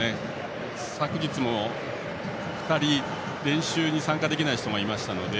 昨日も２人、練習に参加できない人もいましたので。